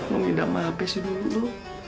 mau pindah sama hp sih dulu